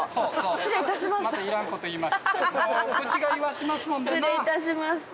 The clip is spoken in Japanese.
失礼いたしました。